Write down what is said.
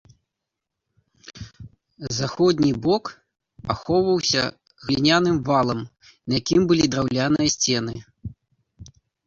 Заходні бок ахоўваўся гліняным валам, на якім былі драўляныя сцены.